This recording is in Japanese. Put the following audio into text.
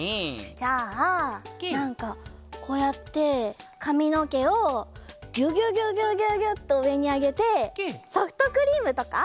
じゃあなんかこうやってかみのけをギュギュギュギュギュッとうえにあげてソフトクリームとか？